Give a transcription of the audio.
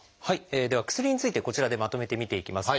では薬についてこちらでまとめて見ていきます。